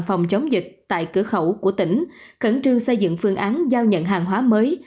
phòng chống dịch tại cửa khẩu của tỉnh khẩn trương xây dựng phương án giao nhận hàng hóa mới